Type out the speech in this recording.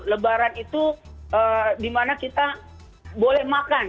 lebaran itu dimana kita boleh makan